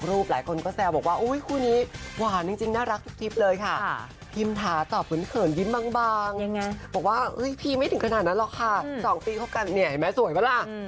รูปหลายคนแซวว่าคู่นี้หวานจริงจรินน่ารักทุกทิพธ์เลยค่ะ